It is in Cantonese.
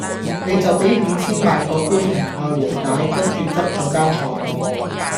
你就比五千萬個官庭外和解，跟住執左間廠